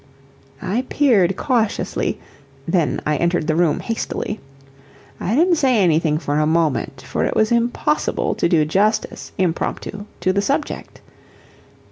'" I peered cautiously then I entered the room hastily. I didn't say anything for a moment, for it was impossible to do justice, impromptu, to the subject.